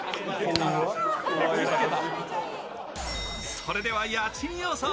それでは家賃予想。